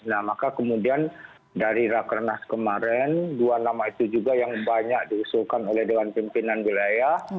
nah maka kemudian dari rakernas kemarin dua nama itu juga yang banyak diusulkan oleh dewan pimpinan wilayah